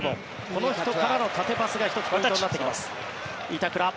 この人からの縦パスが１つ、ポイントになってきます。